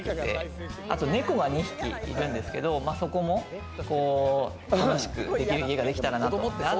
あと猫が２匹いるんですけれども、そこも楽しくできる家ができたらなと。